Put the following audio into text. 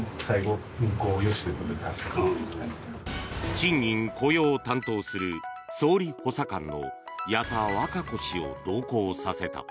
賃金・雇用を担当する総理補佐官の矢田稚子氏を同行させた。